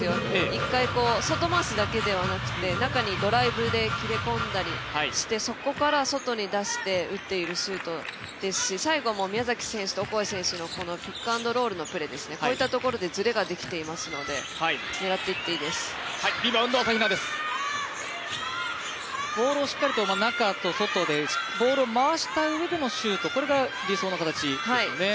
１回外回しだけではなく中にドライブで切り込んだりしてそこから外に出して打っているシュートですし最後も、宮崎選手とオコエ選手のピックアンドロールのプレーこういったところでずれができていますのでボールをしっかりと中と外で、ボールを回した上でのシュートこれが、理想の形ですよね。